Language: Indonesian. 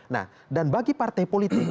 nah dan bagi partai politik